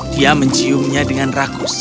dia menciumnya dengan rakus